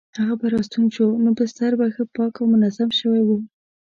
هغه به راستون شو نو بستر به ښه پاک او منظم شوی وو.